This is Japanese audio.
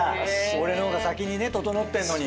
俺の方が先にととのってんのに。